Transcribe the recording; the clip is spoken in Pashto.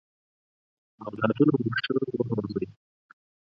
اولادونه مو ښه ورزوی!